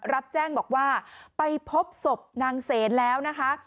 รับแจ้งบอกว่าไปพบศพนางเสนแล้วนะคะ